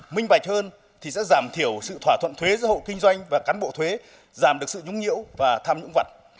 minh bạch hơn thì sẽ giảm thiểu sự thỏa thuận thuế giữa hộ kinh doanh và cán bộ thuế giảm được sự nhũng nhiễu và tham nhũng vật